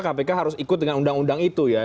kpk harus ikut dengan undang undang itu ya